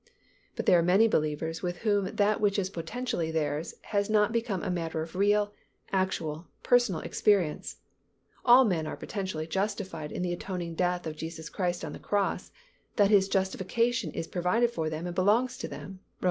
But there are many believers with whom that which is potentially theirs has not become a matter of real, actual, personal experience. All men are potentially justified in the atoning death of Jesus Christ on the cross, that is justification is provided for them and belongs to them (Rom.